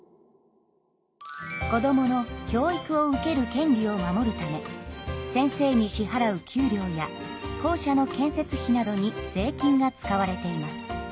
子どもの教育を受ける権利を守るため先生に支はらう給料や校舎の建設費などに税金が使われています。